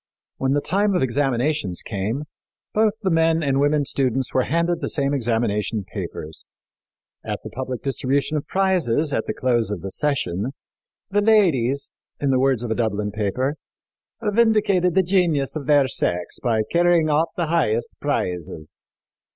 When the time of examinations came, both the men and women students were handed the same examination papers. At the public distribution of prizes, at the close of the session, "the ladies," in the words of a Dublin paper, "vindicated the genius of their sex by carrying off the highest prizes."